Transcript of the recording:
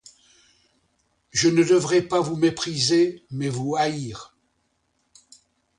Je ne devrais pas vous mépriser, mais vous haïr.